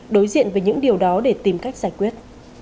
đối diện với những điều đó để tìm cách giải quyết